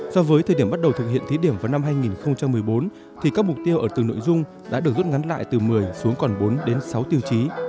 so với thời điểm bắt đầu thực hiện thí điểm vào năm hai nghìn một mươi bốn thì các mục tiêu ở từng nội dung đã được rút ngắn lại từ một mươi xuống còn bốn đến sáu tiêu chí